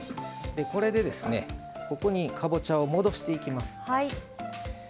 これで、ここにかぼちゃを戻していきます。